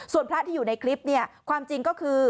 ส่วนพระที่อยู่ในคลิปเนี่ยความจริงก็คือ